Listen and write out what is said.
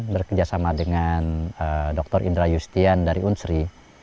berkerjasama dengan dr indra justian dari unsri